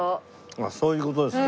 そういう事ですか。